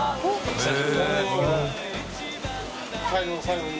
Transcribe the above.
最後の最後に。